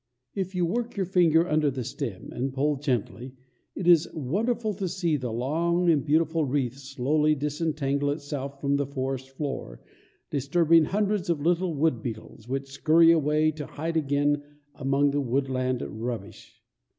If you work your finger under the stem, and pull gently, it is wonderful to see the long and beautiful wreath slowly disentangle itself from the forest floor, disturbing hundreds of little wood beetles, which scurry away to hide again among the woodland rubbish.